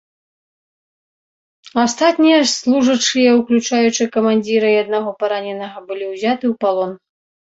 Астатнія служачыя, уключаючы камандзіра і аднаго параненага, былі ўзяты ў палон.